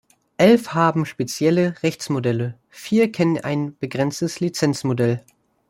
Elf haben spezielle Rechtsmodelle, vier kennen ein begrenztes Lizenzmodell.